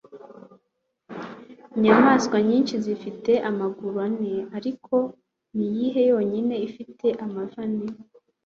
Inyamaswa nyinshi zifite amaguru ane, ariko niyihe yonyine ifite amavi ane?